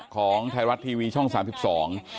ของไทยรัฐทีวีช่อง๓๒